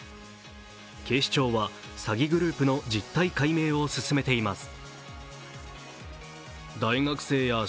警視庁は詐欺グループの実態解明を進めています。